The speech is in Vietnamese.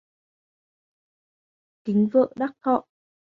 Kính vợ đắc thọ